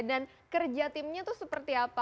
dan kerja timnya itu seperti apa